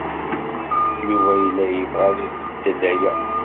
Yuba yella yebɣa ad ibeddel aya.